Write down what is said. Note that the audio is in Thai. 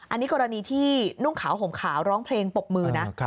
อันนี้กรณีที่นุ่งขาวห่มขาวร้องเพลงปบมือนะ